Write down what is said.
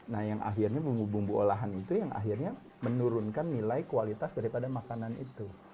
nah yang akhirnya bumbu bumbu olahan itu yang akhirnya menurunkan nilai kualitas daripada makanan itu